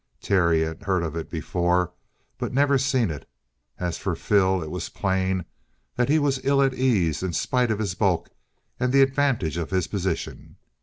Terry had heard of it before, but never seen it. As for Phil, it was plain that he was ill at ease in spite of his bulk and the advantage of his position.